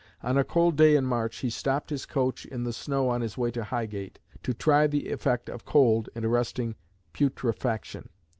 On a cold day in March he stopped his coach in the snow on his way to Highgate, to try the effect of cold in arresting putrefaction.